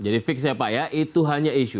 jadi fix ya pak ya itu hanya isu